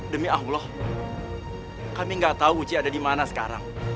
demi allah kami gak tahu uci ada di mana sekarang